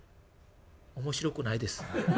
「面白くないです。